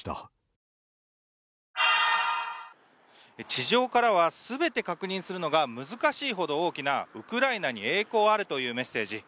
地上からは全て確認するのが難しいほど大きなウクライナに栄光あれというメッセージ。